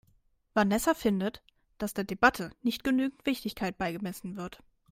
Vanessa findet, dass der Debatte nicht genügend Wichtigkeit beigemessen wird.